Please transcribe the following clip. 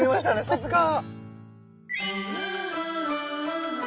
さすが！